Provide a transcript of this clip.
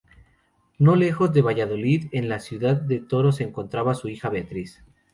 No lejos de Valladolid, en la ciudad de Toro se encontraba su hija Beatriz.